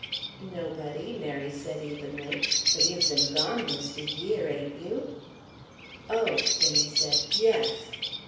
"Nobody," Mary said evenly; "but you've been gone most a year, ain't you?" "Oh," Jenny said, "yes...."